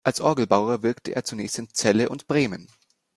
Als Orgelbauer wirkte er zunächst in Celle und Bremen.